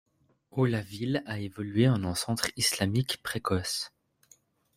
Au la ville a évolué en un centre islamique précoce.